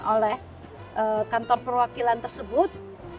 oleh kantor perwakilan tersebut